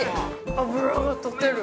脂が溶ける。